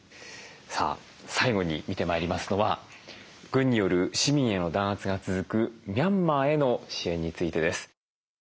さあ最後に見てまいりますのは軍による市民への弾圧が続くミャンマーへの支援についてです。